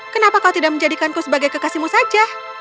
kenapa kau tidak menjadikanku sebagai kekasihmu saja